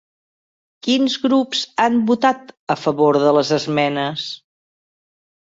Quins grups han votat a favor de les esmenes?